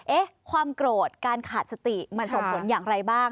ความโกรธการขาดสติมันส่งผลอย่างไรบ้าง